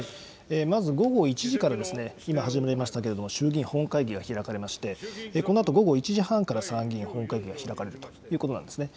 まず午後１時から、今始まりましたけれども、衆議院本会議が開かれまして、このあと午後１時半から参議院本会議が開かれるということなんですね。